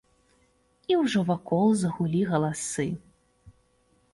І ўжо вакол загулі галасы.